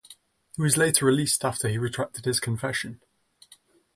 He was later released after he retracted his confession.